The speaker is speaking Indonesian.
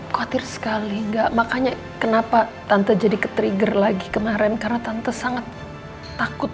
khawatir sekali enggak makanya kenapa tante jadi ke trigger lagi kemarin karena tante sangat takut